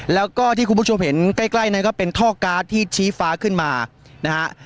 แล้วก็ที่คุณผู้ชมเห็นใกล้นั้นก็เป็นท่อการ์ดที่ชี้ฟ้าขึ้นมานะฮะ